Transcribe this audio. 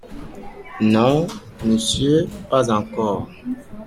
Non, monsieur, pas encore.